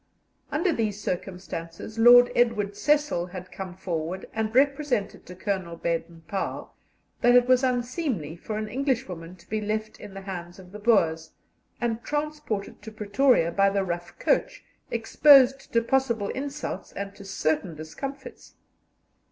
Under these circumstances Lord Edward Cecil had come forward and represented to Colonel Baden Powell that it was unseemly for an Englishwoman to be left in the hands of the Boers, and transported to Pretoria by the rough coach, exposed to possible insults and to certain discomforts.